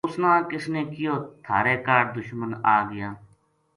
اُس نا کِسنے کہیو تھارے کاہڈ دشمن آگیا